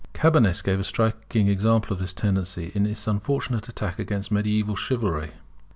Cabanis gave a striking example of this tendency in his unfortunate attack upon mediaeval chivalry.